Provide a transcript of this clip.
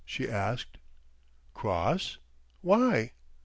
she asked. "Cross! Why?"